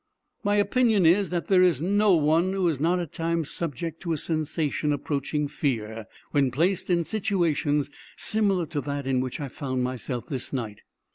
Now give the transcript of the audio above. My opinion is, that there is no one who is not at times subject to a sensation approaching fear, when placed in situations similar to that in which I found myself this night.